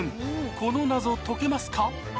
この謎解けますか？